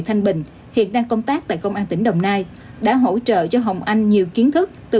thanh bình hiện đang công tác tại công an tỉnh đồng nai đã hỗ trợ cho hồng anh nhiều kiến thức từ